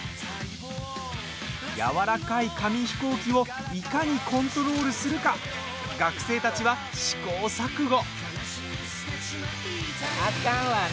やわらかい紙飛行機をいかにコントロールするか学生たちは試行錯誤！